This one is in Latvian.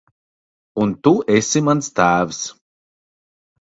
Un tu esi mans tēvs.